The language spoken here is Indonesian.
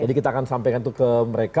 jadi kita akan sampaikan itu ke mereka